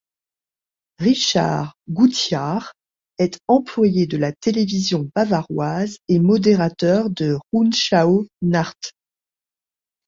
Richard Gutjahr est employé de la télévision bavaroise et modérateur de Rundschau-Nacht.